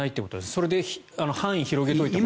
それで範囲を広げておいてほかに。